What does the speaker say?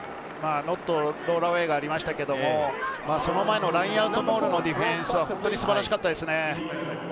ノットロールアウェイがありましたけど、その前のラインアウトモールのディフェンスは素晴らしかったですね。